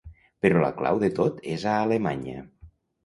Però la clau de tot és a Alemanya.